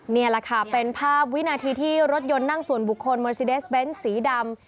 นี่แหละค่ะเป็นภาพวินาทีที่รถยนต์นั่งส่วนบุคคลเมอร์ซีเดสเบนส์สีดำ